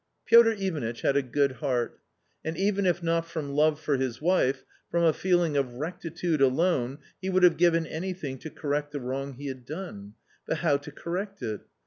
Piotr Ivanitch had a good heart ; and even if not from love for his wife, from a feeling of rectitude alone he would have given anything to correct the wrong he had done ; but how to correct it